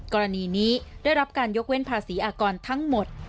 กรณีนี้ได้รับการยกเว้นภาษีอากรทั้งหมด